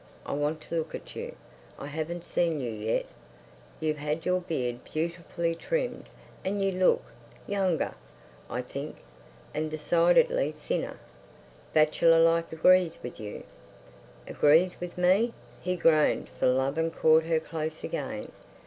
I want to look at you. I haven't seen you yet. You've had your beard beautifully trimmed, and you look—younger, I think, and decidedly thinner! Bachelor life agrees with you." "Agrees with me!" He groaned for love and caught her close again.